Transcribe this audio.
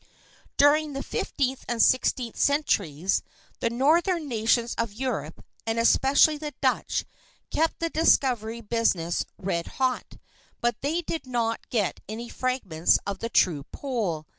During the fifteenth and sixteenth centuries the northern nations of Europe, and especially the Dutch, kept the discovery business red hot, but they did not get any fragments of the true pole.